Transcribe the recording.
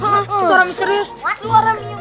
suara misterius suara